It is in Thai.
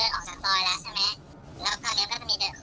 เขากลิ่นว่าใช่ก็น่าจะเป็นแหล่งความเขารู้อื่นอยู่แล้ว